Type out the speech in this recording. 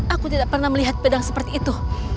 aku tidak pernah melihat pedang seperti itu